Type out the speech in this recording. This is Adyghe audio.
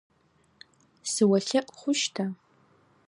Сыолъэӏу хъущта?